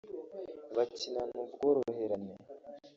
bakinana ubworoherane